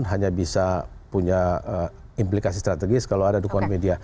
hanya bisa punya implikasi strategis kalau ada dukungan media